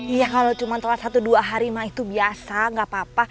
iya kalau cuma telah satu dua hari mah itu biasa gak apa apa